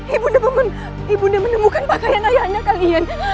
ibu nda menemukan pakaian ayah anda kalian